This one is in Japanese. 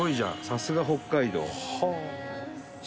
さすが北海道！